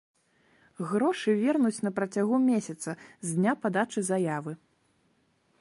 Грошы вернуць на працягу месяца з дня падачы заявы.